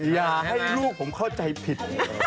อย่าให้ลูกผมเข้าใจผิด